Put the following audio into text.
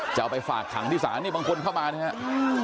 จะเอาไปฝากขังที่ศาลนี่บางคนเข้ามานะครับ